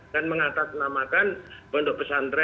dan mengatasnamakan pondok pesantren